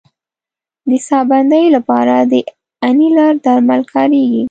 د ساه بندۍ لپاره د انیلر درمل کارېږي.